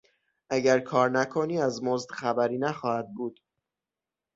اگر کارنکنی از مزد خبری نخواهد بود!